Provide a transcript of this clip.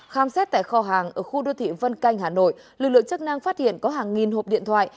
khám xét tại kho hàng ở khu đô thị vân canh hà nội lực lượng chức năng phát hiện có hàng nghìn hộp điện thoại